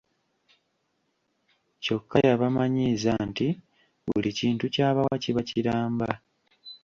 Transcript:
Kyokka yabamanyiiza nti buli kintu ky’abawa kiba kiramba.